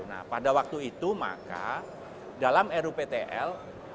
nah pada waktu itu maka dalam ruptl